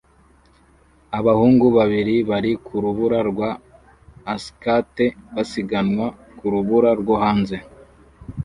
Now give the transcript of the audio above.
Abahungu babiri bari ku rubura rwa skate basiganwa ku rubura rwo hanze